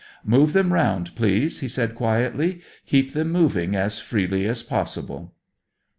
"Move them round, please," he said quietly. "Keep them moving as freely as possible."